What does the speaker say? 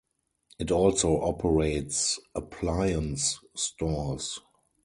It also operates appliance stores.